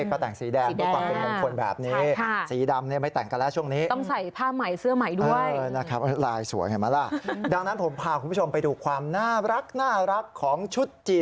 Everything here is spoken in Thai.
ก็แต่งสีแดงมีความเป็นมงคลแบบนี้